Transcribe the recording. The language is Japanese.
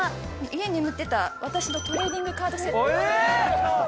家に眠ってた私のトレーディングカードセット。